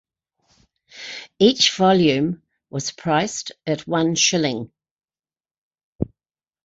Each volume was priced at one shilling.